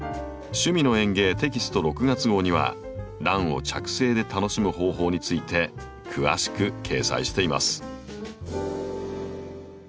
「趣味の園芸」テキスト６月号にはランを着生で楽しむ方法について詳しく掲載しています。